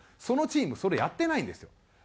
そのチームそれやってないんですよ。